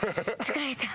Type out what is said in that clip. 疲れた。